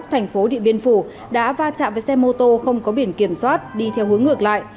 thành phố điện biên phủ đã va chạm với xe mô tô không có biển kiểm soát đi theo hướng ngược lại